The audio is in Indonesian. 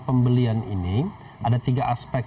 pembelian ini ada tiga aspek